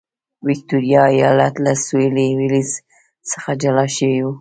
ویکټوریا ایالت له سوېلي ویلز څخه جلا شوی و.